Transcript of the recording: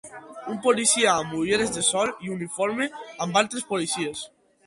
Un policia amb ulleres de sol i uniforme amb altres policies